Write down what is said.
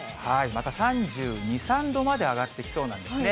また３２、３度まで上がってきそうなんですね。